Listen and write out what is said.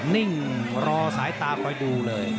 นิ่งรอสายตาคอยดูเลย